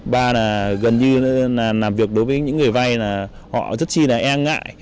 ba là gần như là làm việc đối với những người vay là họ rất chi là e ngại